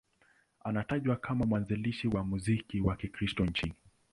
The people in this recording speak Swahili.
Anatajwa kama mwanzilishi wa muziki wa Kikristo nchini.